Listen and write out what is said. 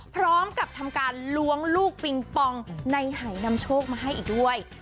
พร้อมกับทำการล้วงลูกปิงปองในหายนำโชคมาให้อีกด้วย